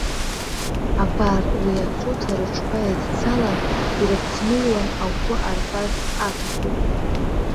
Абар, уи ацуҭа рыҽқәа еидцалан, ираԥхныҩлан агәы артәарц аҭахуп.